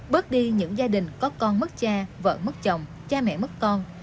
bớt đi những gia đình có con mất cha vợ mất chồng cha mẹ mất con